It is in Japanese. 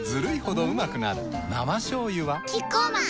生しょうゆはキッコーマン